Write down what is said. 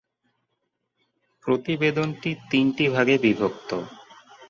প্রতিবেদনটি তিনটি ভাগে বিভক্ত।